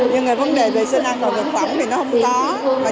nhưng vấn đề vệ sinh ăn và thực phẩm thì nó không toàn